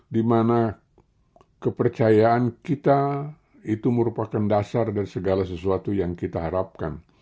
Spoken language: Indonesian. dimana kepercayaan kita itu merupakan dasar dari segala sesuatu yang kita harapkan